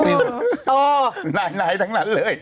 ถึงนายนั้นทั้งนั้นเลย